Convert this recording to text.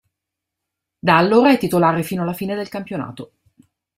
Da allora è titolare fino alla fine del campionato.